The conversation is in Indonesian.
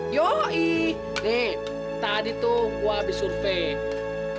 yoi nih tadi tuh gue habis survei